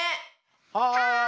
はい！